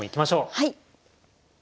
はい。